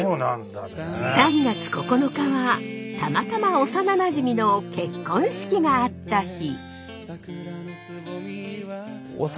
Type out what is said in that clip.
３月９日はたまたま幼なじみの結婚式があった日。